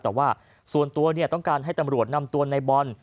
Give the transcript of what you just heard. แต่ว่าส่วนตัวต้องการให้ตำรวจนำตัวในบอล